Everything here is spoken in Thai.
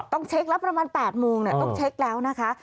ต้องเช็คแล้วประมาณ๘โมงต้องเช็คแล้วนะคะ